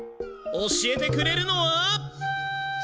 教えてくれるのは。